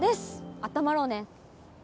あったまろうね。